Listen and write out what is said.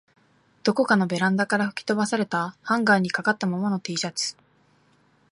どこかのベランダから吹き飛ばされたハンガーに掛かったままの Ｔ シャツ